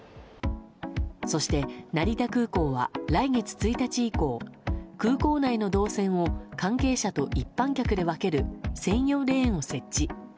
そして成田空港は来月１日以降空港内の動線を関係者と一般客で分ける専用レーンを設置。